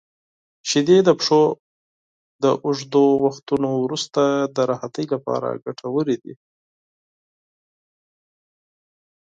• شیدې د پښو د اوږدو وختونو وروسته د راحتۍ لپاره ګټورې دي.